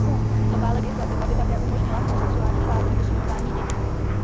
Nová legislativa by také umožnila homosexuálním párům osvojování dětí.